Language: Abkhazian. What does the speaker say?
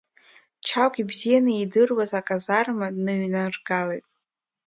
Чагә ибзианы иидыруаз аказарма дныҩнаргалеит.